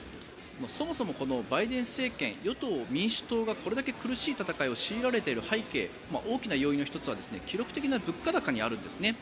そもそもバイデン政権与党・民主党がこれだけ苦しい戦いを強いられている背景大きな要因の１つは記録的な物価高にあるんですね。